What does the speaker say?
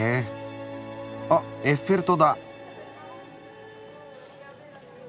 あっエッフェル塔だ。